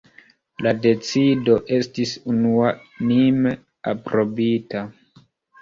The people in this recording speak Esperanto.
La decido estis unuanime aprobita.